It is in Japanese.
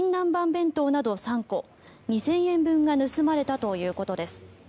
弁当など３個２０００円分が盗まれたということです。